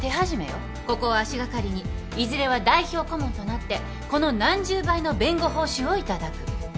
ここを足掛かりにいずれは代表顧問となってこの何十倍の弁護報酬を頂く。